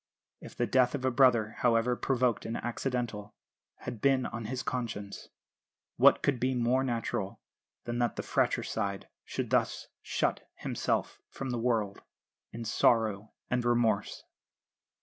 If the death of a brother, however provoked and accidental, had been on his conscience, what could be more natural than that the fratricide should thus shut himself from the world in sorrow and remorse?